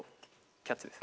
キャッチです。